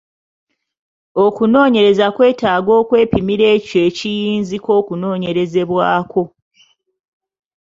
Okunoonyereza kwetaaga okwepimira ekyo ekiyinzika okunoonyerezebwako.